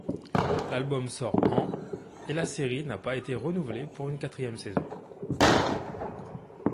L'album sort en et la série n'a pas été renouvelée pour une quatrième saison.